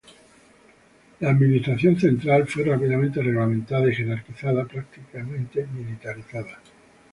La administración central fue rígidamente reglamentada y jerarquizada, prácticamente militarizada.